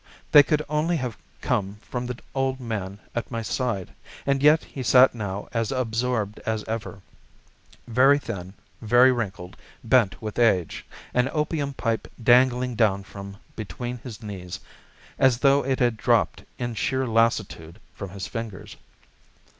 They could only have come from the old man at my side, and yet he sat now as absorbed as ever, very thin, very wrinkled, bent with age, an opium pipe dangling down from between his knees, as though it had dropped in sheer lassitude from his fingers.